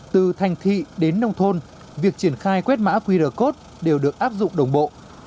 từ thành thị đến nông thôn việc triển khai quét mã qr code đều được áp dụng đồng bộ